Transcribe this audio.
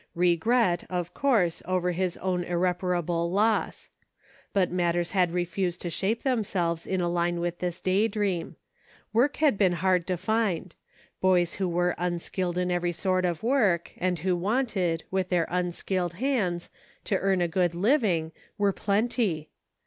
Regret, of course, over his own irreparable loss. But matters had re fused to shape themselves in a line with this day dream. Work had been hard to find ; boys who were unskilled in every sort of work, and who wanted, with their unskilled hands, to earn a good living, were plenty.